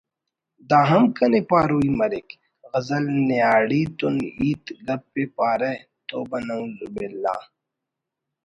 ……دا ہم کنے پاروئی مریک…… غزل نیاڑی تون ہیت گپ ءِ پارہ ……(توبہ نعوذ باللہ)